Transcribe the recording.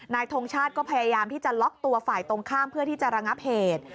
ทงชาติก็พยายามที่จะล็อกตัวฝ่ายตรงข้ามเพื่อที่จะระงับเหตุ